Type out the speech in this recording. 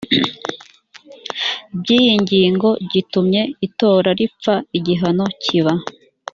by iyi ngingo gitumye itora ripfa igihano kiba